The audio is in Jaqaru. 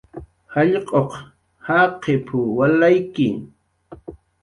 "Jallq'uq jaqip"" walayki"